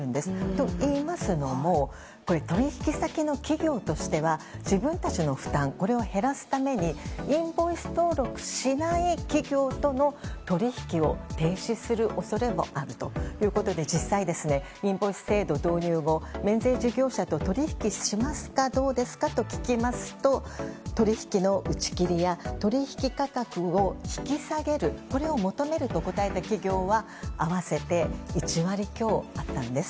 と、いいますのも取引先の企業としては自分たちの負担を減らすためにインボイス登録しない企業との取引を停止する恐れもあるということで実際にインボイス制度導入後免税事業者と取引しますかどうですかと聞きますと取引の打ち切りや取引価格を引き下げるこれを求めると答えた企業は合わせて１割強あったんです。